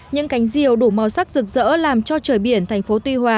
những cánh diều đủ màu sắc rực rỡ làm cho trời biển thành phố tuy hòa